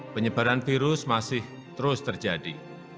penyebaran virus masih terus terjadi